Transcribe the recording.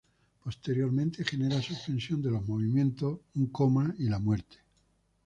Posteriormente genera suspensión de los movimientos, un coma y la muerte.